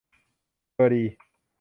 เบอร์ดี